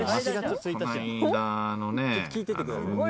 ちょっと聞いててください。